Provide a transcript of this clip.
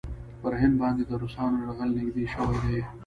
پر هند باندې د روسانو یرغل نېږدې شوی دی.